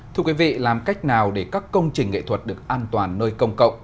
thưa quý vị làm cách nào để các công trình nghệ thuật được an toàn nơi công cộng